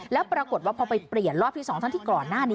แล้วปรากฏว่าพอไปเปลี่ยนรอบที่๒ทั้งที่ก่อนหน้านี้